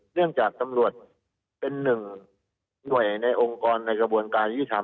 เรื่องจากตำรวจเป็นหน่วยในองค์กรในกระบวนการที่ทำ